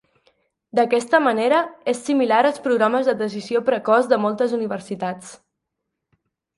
D'aquesta manera, és similar als programes de decisió precoç de moltes universitats.